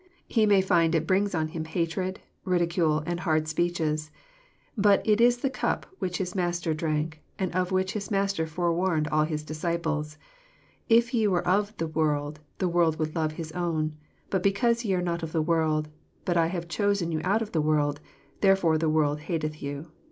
He may find it brings on him hatred, ridicule, and hard speeches ; but it is the cup which his Master drank, and of which his Master forewarned all His disciples. —" If ye were of the world the world would love His own, but because ye are not of the world, but I have chosen you out of the world, therefore the world hatcth you."